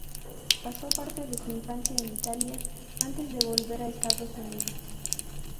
Pasó parte de su infancia en Italia, antes de volver a Estados Unidos.